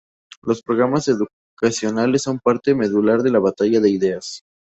Los programas educacionales son parte medular de la Batalla de Ideas.